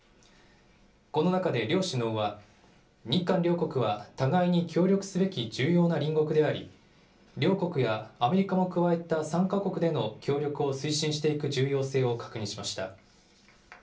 この中で両首脳は、日韓両国は互いに協力すべき重要な隣国であり、両国やアメリカも加えた３か国での協力を推進していく重要性を確認しました。